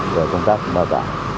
về công tác đào tạo